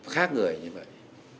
khác người như vậy